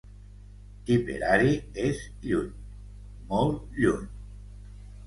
Tipperary és lluny, molt lluny!